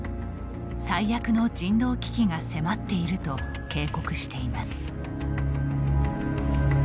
最悪の人道危機が迫っていると警告しています。